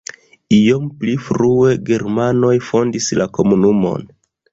Iom pli frue germanoj fondis la komunumon.